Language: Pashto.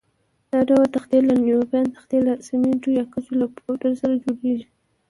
دا ډول تختې لکه نیوپان تختې له سمنټو یا ګچو له پوډر سره جوړېږي.